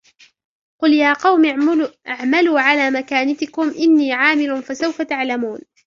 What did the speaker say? قُلْ يَا قَوْمِ اعْمَلُوا عَلَى مَكَانَتِكُمْ إِنِّي عَامِلٌ فَسَوْفَ تَعْلَمُونَ